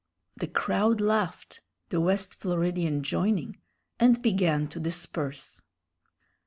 The crowd laughed, the West Floridian joining, and began to disperse.